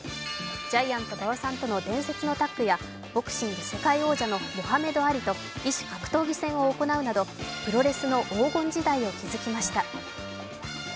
ジャイアント馬場さんとの伝説のタッグやボクシング世界王者のモハメド・アリと異種格闘技戦を行うなど、プロレスの黄金時代を築きました。